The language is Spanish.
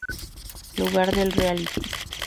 Lugar del Reality.